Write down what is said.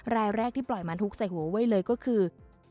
รายแรกที่ปล่อยมันทุกข์ใส่หัวเว้ยเลยก็คือ